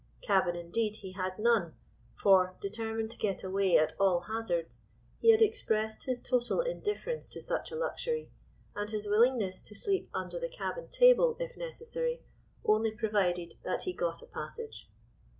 Cabin indeed, he had none, for, determined to get away at all hazards, he had expressed his total indifference to such a luxury, and his willingness to sleep under the cabin table, if necessary, only provided that he got a passage.